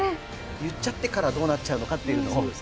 言っちゃってからどうなっちゃうんだっていうのを。